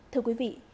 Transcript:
thưa quý vị